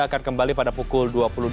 akan kembali pada pukul dua puluh dua